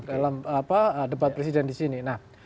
dalam debat presiden di sini